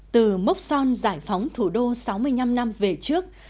từ mốc son giải phóng thủ đô sáu mươi năm năm về trước